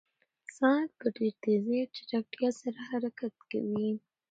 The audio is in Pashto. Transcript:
ساعت په ډېرې تېزۍ او چټکتیا سره حرکت کوي.